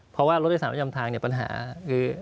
เพราะว่ารถโดยสารประจำทางเนี่ยปัญหาคือ